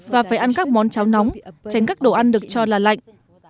và phải ăn các món cháo nóng tránh các đồ ăn được cho là lạnh